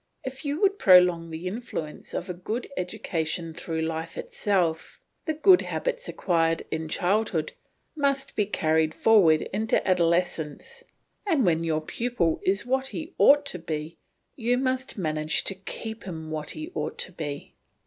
If you would prolong the influence of a good education through life itself, the good habits acquired in childhood must be carried forward into adolescence, and when your pupil is what he ought to be you must manage to keep him what he ought to be.